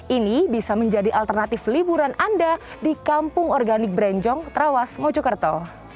ini bisa menjadi alternatif liburan anda di kampung organik berenjong trawas mojokerto